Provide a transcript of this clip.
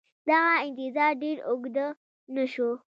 دغه انتظار ډېر اوږد نه شو.